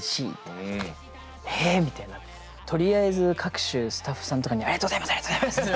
「え！？」みたいなとりあえず各種スタッフさんとかに「ありがとうございます！」って